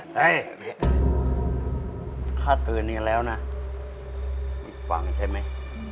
เฮ้ยข้าเตือนอย่างนี้แล้วนะอีกฝั่งใช่มั้ย